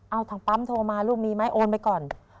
เอาทางปั๊มโทรมาลูกมีไหมโอนไปก่อน